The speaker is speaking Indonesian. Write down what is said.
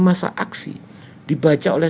masa aksi dibaca oleh